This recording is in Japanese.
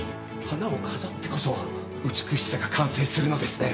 花を飾ってこそ美しさが完成するのですね。